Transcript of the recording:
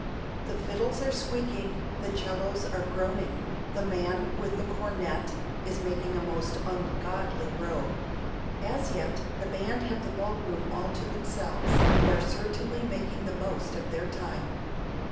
The fiddles are squeaking, the 'cellos are groaning, the man with the cornet is making a most ungodly row. As yet, the band have the ballroom all to themselves, and are certainly making the most of their time.